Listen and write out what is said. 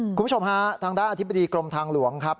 คุณผู้ชมฮะทางด้านอธิบดีกรมทางหลวงครับ